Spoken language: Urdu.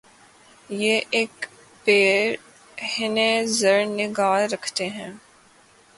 یہ ایک پیر ہنِ زر نگار رکھتے ہیں